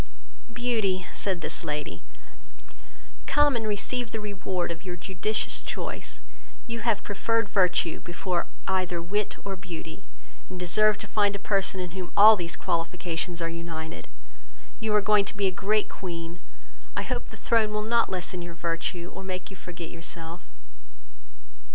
"Beauty, (said this lady,) come and receive the reward of your judicious choice; you have preferred virtue before either wit or beauty, and deserve to find a person in whom all these qualifications are united: you are going to be a great Queen; I hope the throne will not lessen your virtue, or make you forget yourself.